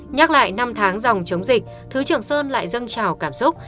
nhắc lại năm tháng dòng chống dịch thứ trưởng sơn lại dâng trào cảm xúc